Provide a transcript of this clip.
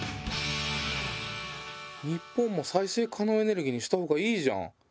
日本も再生可能エネルギーにしたほうがいいじゃん！